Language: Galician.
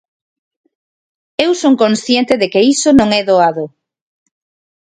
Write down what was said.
Eu son consciente de que iso non é doado.